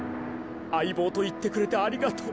あいぼうといってくれてありがとう。